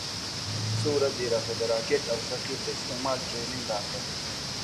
څو ورځې يې راته د راکټ او ثقيل د استعمال ټرېننگ راکړ.